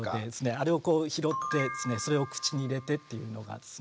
あれをこう拾ってそれを口に入れてっていうのがですね